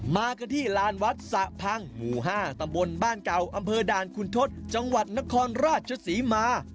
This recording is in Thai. มากันที่ลานวัดสะพังหมู่๕ตำบลบ้านเก่าอำเภอด่านคุณทศจังหวัดนครราชศรีมา